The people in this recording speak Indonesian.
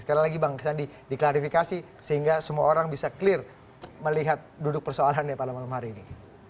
sekali lagi bang sandi diklarifikasi sehingga semua orang bisa clear melihat duduk persoalannya pada malam hari ini